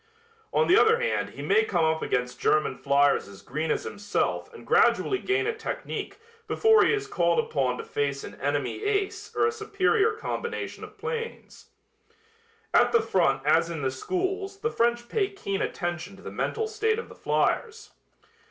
On the other hand he may come up against German fliers as green as himself and gradually gain a technique before he is called upon to face an enemy ace or a superior combination of planes. At the front as in the schools the French pay keen attention to the mental state of the fliers.